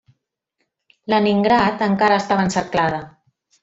Leningrad encara estava encerclada.